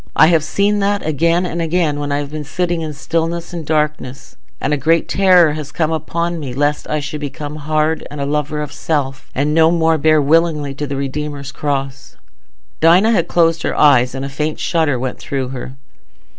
I have seen that again and again when I have been sitting in stillness and darkness, and a great terror has come upon me lest I should become hard, and a lover of self, and no more bear willingly the Redeemer's cross." Dinah had closed her eyes, and a faint shudder went through her.